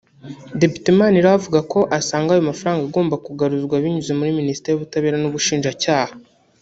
Depite Manirarora avuga ko asanga ayo mafaranga agomba kugaruzwa binyuze muri Minisiteri y’Ubutabera n’Ubushinjacyaha